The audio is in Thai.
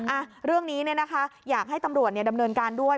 อ่ะเรื่องนี้เนี่ยนะคะอยากให้ตำรวจดำเนินการด้วย